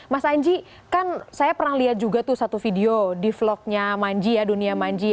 mas anji kan saya pernah lihat juga tuh satu video di vlognya manji ya dunia manji